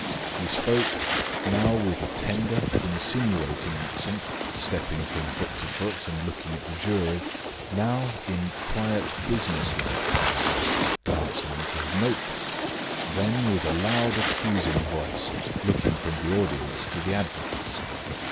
He spoke, now with a tender, insinuating accent, stepping from foot to foot and looking at the jury, now in quiet, business like tones, glancing into his notebook, then with a loud, accusing voice, looking from the audience to the advocates.